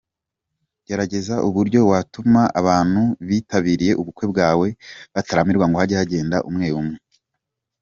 Gerageza uburyo watuma abantu bitabiriye ubukwe bwawe batarambirwa ngo hage hagenda umwe umwe.